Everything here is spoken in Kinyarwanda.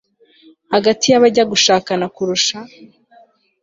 hagati y'abajya gushakana kurusha